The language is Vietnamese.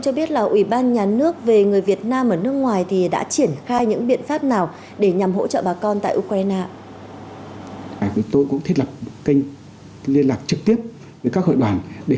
hội đoàn người việt nam tại romania theo số điện thoại